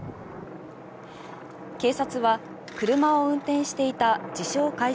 警察は車を運転していた自称・